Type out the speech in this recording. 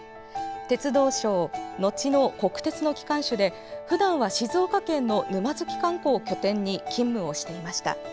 鉄道省、後の国鉄の機関手でふだんは静岡県の沼津機関庫を拠点に勤務をしていました。